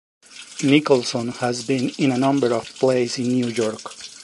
Nicholson has been in a number of plays in New York.